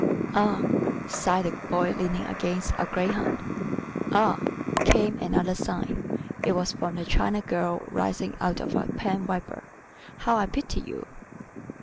"Ah!" sighed the Boy leaning against a greyhound. "Ah!" came another sigh it was from the China girl rising out of a pen wiper "how I pity you!"